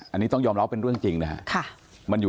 อันนี้ต้องยอมรับว่าเป็นเรื่องจริงนะครับ